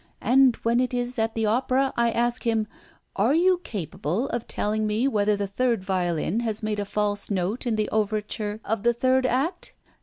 And when it is at the opera, I ask him: 'Are you capable of telling me whether the third violin has made a false note in the overture of the third act?